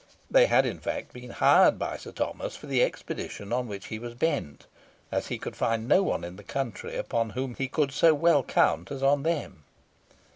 They had, in fact, been hired by Sir Thomas for the expedition on which he was bent, as he could find no one in the country upon whom he could so well count as on them.